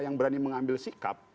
yang berani mengambil sikap